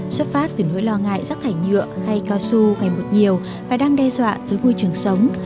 xuất phát từ nỗi lo ngại rắc thải nhựa hay cao su ngày một nhiều và đang đe dọa tới môi trường sống